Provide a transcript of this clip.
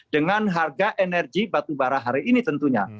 dengan harga energi batu bara hari ini tentunya